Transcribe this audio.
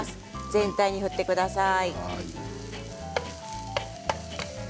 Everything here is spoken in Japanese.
全体に振ってください。